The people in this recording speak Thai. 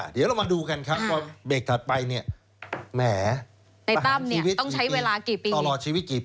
เดี๋ยวเรามาดูกันครับว่าเบรกถัดไปเนี่ย